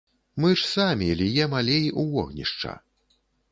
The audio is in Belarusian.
Мы ж самі ліем алей ў вогнішча.